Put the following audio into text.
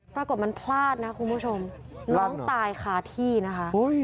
ปรากฏมันพลาดนะคุณผู้ชมน้องตายคาที่นะคะ